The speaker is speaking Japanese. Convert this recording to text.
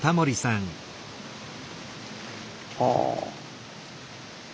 ああ。